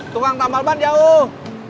tukang tambal ban jauh